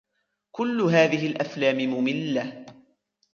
كل هذه الافلام مملة